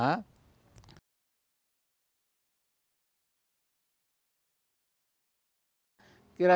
kira kira apa yang anda inginkan untuk melakukan